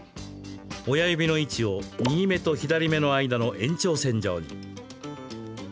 親指の位置を右目と左目の間の延長線上に。